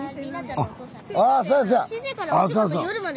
あそうそう。